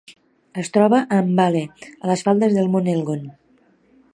Es troba a Mbale, a les faldes del Mont Elgon.